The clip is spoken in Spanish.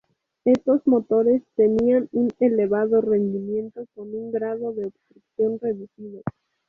Estos motores tenían un elevado rendimiento con un grado de obstrucción reducido.